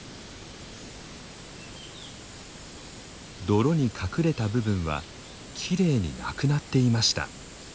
泥に隠れた部分はきれいになくなっていました。